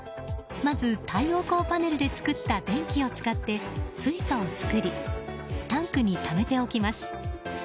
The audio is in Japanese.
まず太陽光パネルで作った電気を使って水素を作りタンクにためておきます。